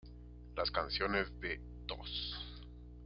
Las canciones de ¡Dos!